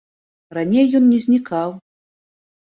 Раней ён не знікаў.